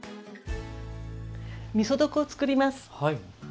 みそ床を作ります。